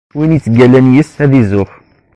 Win yettgallan yis, ad izuxx.